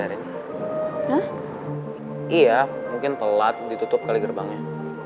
iya mungkin telat ditutup kali gerbangnya